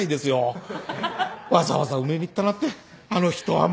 わざわざ埋めに行ったなんてあの人はもう！